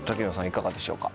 いかがでしょうか？